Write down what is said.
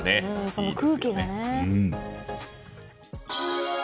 その空気がね。